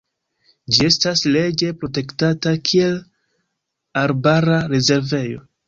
Ĝi estas leĝe protektata kiel arbara rezervejo.